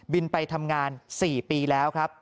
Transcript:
ไปทำงาน๔ปีแล้วครับ